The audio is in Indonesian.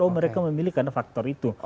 oh mereka memiliki faktor itu